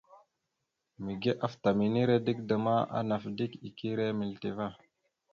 Mige afta minire dik da ma, anaf dik ire milite ava.